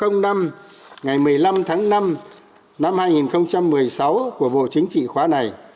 ngày một mươi năm tháng năm năm hai nghìn một mươi sáu của bộ chính trị khóa này